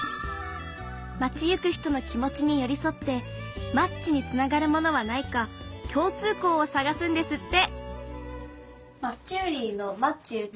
町行く人の気持ちに寄り添ってマッチにつながるものはないか共通項を探すんですって